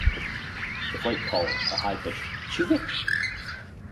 The flight call is a high-pitched "chi-wit".